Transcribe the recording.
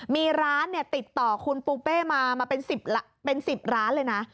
มีร้านติดต่อคุณปูเป้มาเป็น๑๐ร้านเลยนะ